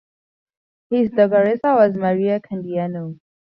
His dogaressa was Maria Candiano.